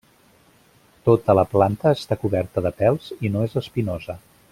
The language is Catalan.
Tota la planta està coberta de pèls i no és espinosa.